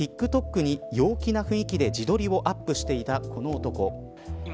ＴｉｋＴｏｋに陽気な雰囲気で自撮りをアップしていたこの男。